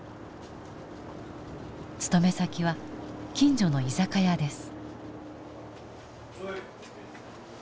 勤め先は近所の居酒屋です。